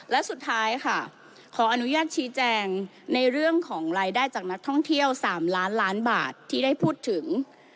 และสุดท้ายค่ะขออนุญาตชี้แจงในเรื่องของรายได้จากนักท่องเที่ยว๓ล้านล้านบาทที่ได้พูดถึง